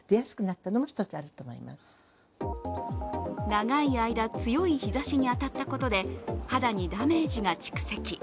長い間、強い日ざしに当たったことで肌にダメージが蓄積。